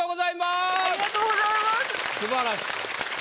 すばらしい。